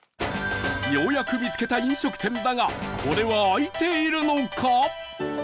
ようやく見つけた飲食店だがこれは開いているのか？